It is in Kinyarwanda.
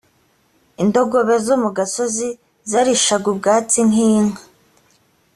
indogobe zo mu gasozi zarishaga ubwatsi nk’inka